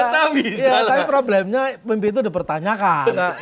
tapi problemnya mimpi itu udah pertanyaan kan